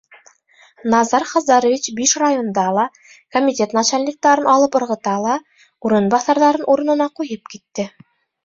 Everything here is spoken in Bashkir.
Назар Хазарович биш районда ла комитет начальниктарын алып ырғыта ла урынбаҫарҙарын урынына ҡуйып китте!